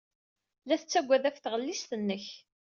La tettaggad ɣef tɣellist-nnek.